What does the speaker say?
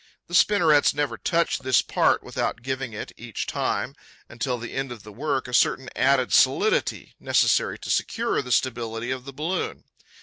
The spinnerets never touch this part without giving it, each time, until the end of the work, a certain added solidity, necessary to secure the stability of the balloon.